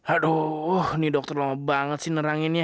aduh ini dokter lama banget sih neranginnya